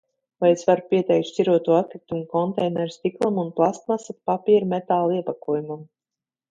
Vai es varu pieteikt šķiroto atkritumu konteineru stiklam un plastmasa, papīra, metāla iepakojumam?